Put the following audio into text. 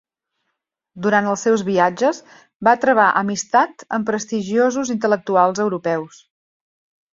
Durant els seus viatges va travar amistat amb prestigiosos intel·lectuals europeus.